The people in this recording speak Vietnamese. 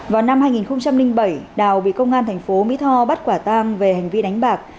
vào năm hai nghìn bảy đào bị công an thành phố mỹ tho bắt quả tang về hành vi đánh bạc